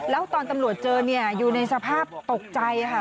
แล้วตอนตำรวจเจอเนี่ยอยู่ในสภาพตกใจค่ะ